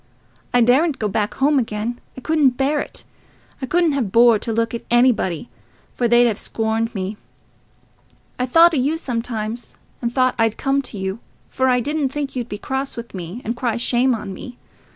I daredn't go back home again—I couldn't bear it. I couldn't have bore to look at anybody, for they'd have scorned me. I thought o' you sometimes, and thought I'd come to you, for I didn't think you'd be cross with me, and cry shame on me.